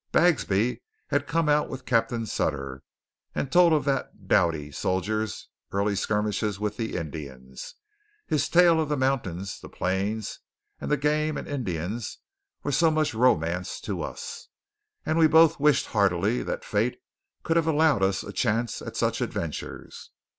Bagsby had come out with Captain Sutter; and told of that doughty soldier's early skirmishes with the Indians. His tales of the mountains, the plains, and the game and Indians were so much romance to us; and we both wished heartily that fate could have allowed us a chance at such adventures.